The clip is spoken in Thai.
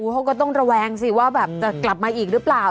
เขาก็ต้องระแวงสิว่าแบบจะกลับมาอีกหรือเปล่า